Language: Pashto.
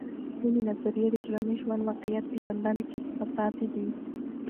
کومې نظریې د ټولنیز واقعیت پیژندنې کې حساسې دي؟